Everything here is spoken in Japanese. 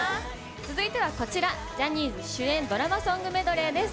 続いてはこちら、ジャニーズ主演ドラマソングメドレーです。